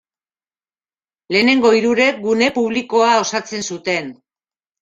Lehenengo hirurek, gune publikoa osatzen zuten.